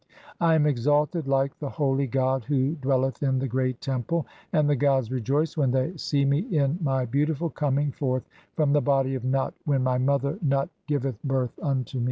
I am exalted like the holy god who dwell "eth in the Great Temple, and the gods rejoice when they see "me in my beautiful coming forth from the body of Nut, when "my mother Nut giveth birth unto me."